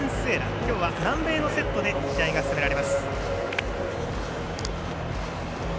今日は南米のセットで試合が進められます。